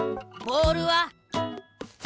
ボールは！？